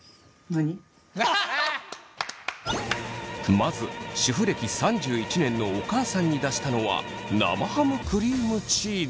まず主婦歴３１年のお母さんに出したのは生ハムクリームチーズ。